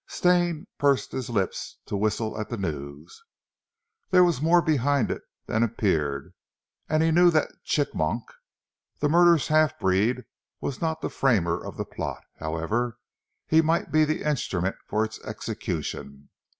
Stane pursed his lips to whistle at the news. There was more behind it than appeared; and he knew that Chigmok the murderous half breed was not the framer of the plot, however, he might be the instrument for its execution.